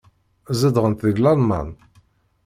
Zedɣent deg Lalman.